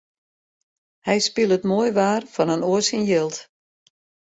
Hy spilet moai waar fan in oar syn jild.